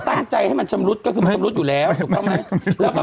ตั้งใจให้มันชำรุดก็คือมันชำรุดอยู่แล้วถูกต้องไหม